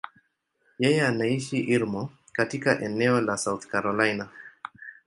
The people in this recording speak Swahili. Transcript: Yeye anaishi Irmo, katika eneo la South Carolina.